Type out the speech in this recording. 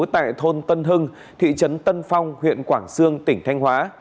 tại thôn tân hưng thị trấn tân phong huyện quảng sương tỉnh thanh hóa